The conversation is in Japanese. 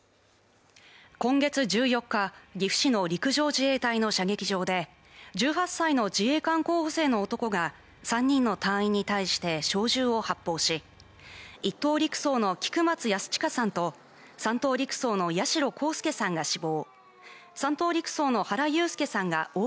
今月１４日、岐阜市の陸上自衛隊の射撃場で１８歳の自衛官候補生の男が３人の隊員に対して小銃を発砲し、１等陸曹の菊松安親さんと３等陸曹の八代航佑さんが死亡。